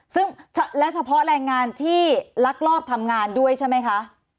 ซึ่งและเฉพาะแรงงานที่ลักลอบทำงานด้วยใช่ไหมคะ